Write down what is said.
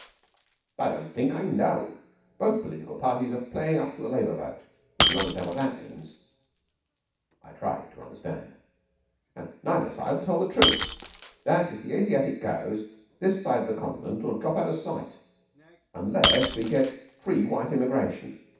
'I don't think. I know. Both political parties are playing up to the Labour vote if you understand what that means.' I tried to understand. 'And neither side'll tell the truth that if the Asiatic goes, this side of the Continent'll drop out of sight, unless we get free white immigration.